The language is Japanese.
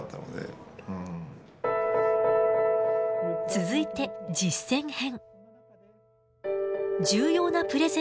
続いて実践編。